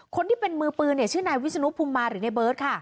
คนที่เป็นมือปืนชื่อนายวิสนุพุมาหรือนายเบิร์ตค่ะ